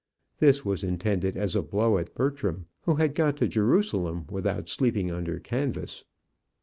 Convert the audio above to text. This was intended as a blow at Bertram, who had got to Jerusalem without sleeping under canvas.